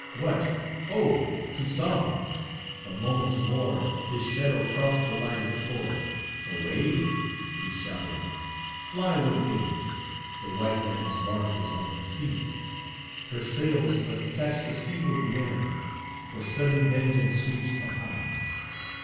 "What, ho, Toussaint!" A moment more, His shadow crossed the lighted floor. "Away?" he shouted; "fly with me; The white man's bark is on the sea; Her sails must catch the seaward wind, For sudden vengeance sweeps behind.